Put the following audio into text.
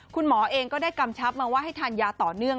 คุณหมอเองก็ได้กำชับมาว่าให้ทานยาต่อเนื่อง